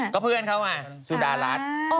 ก็เพื่อนเขาไงสุดารัฐ